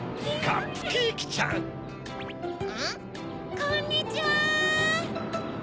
こんにちは！